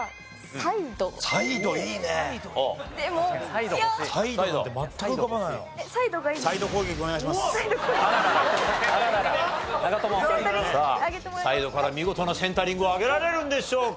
さあサイドから見事なセンタリングを上げられるんでしょうか？